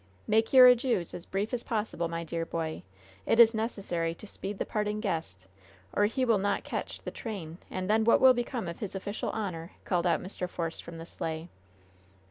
"Make your adieus as brief as possible, my dear boy! It is necessary to 'speed the parting guest,' or he will not catch the train, and then what will become of his official honor?" called out Mr. Force from the sleigh.